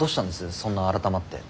そんな改まって。